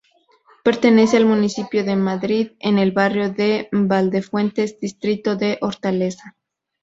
Pertenece al municipio de Madrid, en el barrio de Valdefuentes, distrito de Hortaleza.